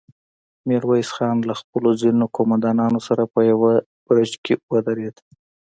ميرويس خان له خپلو ځينو قوماندانانو سره په يوه برج کې ودرېد.